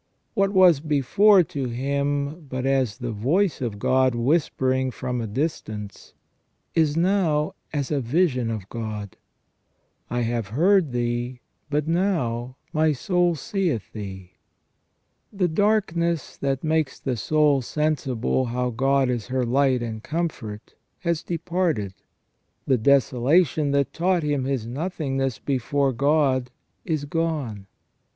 What was before to him but as the voice of God whispering from a AS UNVEILED IN THE BOOK OF JOB. 167 distance is now as a vision of God. " I have heard Thee, but now my soul seeth Thee.'' The darkness that makes the soul sensible how God is. her light and comfort has departed: the desolation that taught him his nothingness before God is gone.